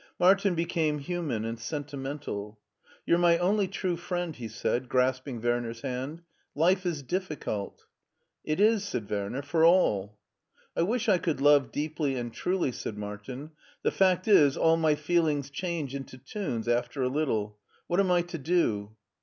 Martin became human and sentimental. "You*re my only true friend," he said, grasping Werner's hand. " Life is difficult." " It is," said Werner, " for all." " I wish I could love deeply and truly," said Martin. *' The fact is, all my feelings change into tunes after a little. What am I to do?"